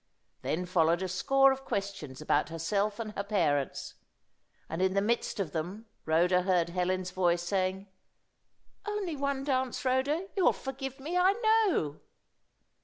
Then followed a score of questions about herself and her parents, and in the midst of them Rhoda heard Helen's voice saying "Only one dance, Rhoda; you'll forgive me, I know."